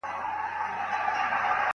کلونه کيږي چې يې زه د راتلو لارې څارم